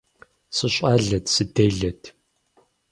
СыщӀалэт, сыделэт.